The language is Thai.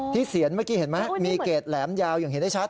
เขียนเมื่อกี้เห็นไหมมีเกรดแหลมยาวอย่างเห็นได้ชัด